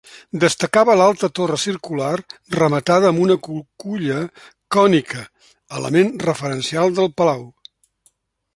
Destacava l'alta torre circular rematada amb una cuculla cònica, element referencial del palau.